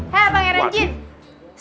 hei pangeran jin